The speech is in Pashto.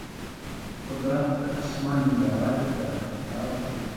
قدرت د اسمان نیلاوالي ته ښکلا ورکوي.